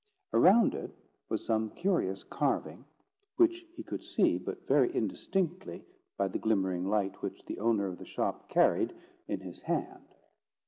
Around it was some curious carving, which he could see but very indistinctly by the glimmering light which the owner of the shop carried in his hand.